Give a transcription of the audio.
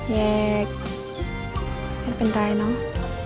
แกไม่เป็นไรเนอะ